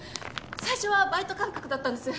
最初はバイト感覚だったんです。